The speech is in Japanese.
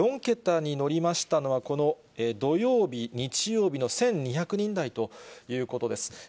４桁に乗りましたのは、この土曜日、日曜日の１２００人台ということです。